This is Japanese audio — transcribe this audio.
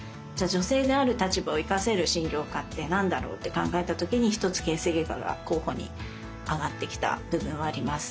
女性である立場を生かせる診療科って何だろうって考えた時に一つ形成外科が候補に挙がってきた部分はあります。